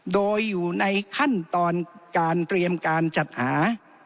โดยอยู่ในขั้นตอนการเตรียมการจัดหา